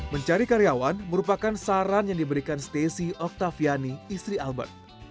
mencari karyawan merupakan saran yang diberikan stacy octaviani istri albert